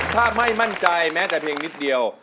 ถ้าไม่มั่นใจแม้แต่เพียงนิดเดียว